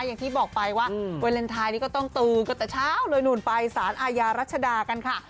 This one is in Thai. อย่างที่บอกไปว่าวาเลนไทยนี้ก็ต้องตือกันแต่เช้าเลยนู่นไปสารอาญารัชดากันค่ะ